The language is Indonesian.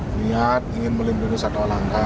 niat ingin melimpin usaha tolangka